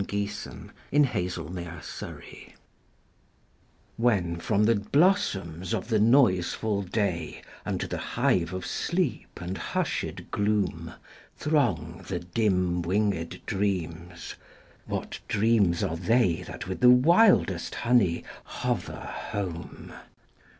To My Friend Francis Thompson WHEN from the blossoms of the noiseful day, Unto the hive of sleep and hushèd gloom, Throng the dim wingèd dreams, what dreams are theyThat with the wildest honey hover home?